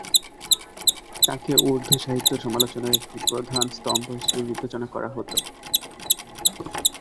তাকে উর্দু সাহিত্য সমালোচনার একটি প্রধান স্তম্ভ হিসেবে বিবেচনা করা হত।